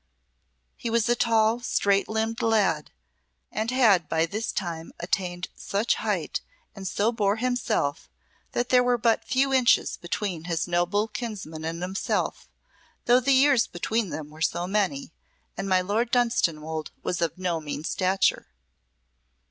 He was a tall, straight limbed lad, and had by this time attained such height and so bore himself that there were but few inches between his noble kinsman and himself, though the years between them were so many, and my Lord Dunstanwolde was of no mean stature.